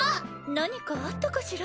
何かあったかしら？